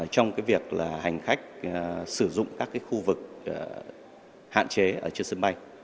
trong việc hành khách sử dụng các khu vực hạn chế ở trên sân bay